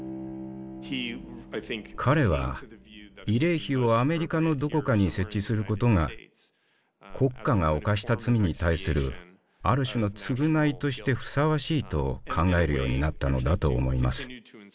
彼は慰霊碑をアメリカのどこかに設置することが国家が犯した罪に対するある種の償いとしてふさわしいと考えるようになったのだと思います。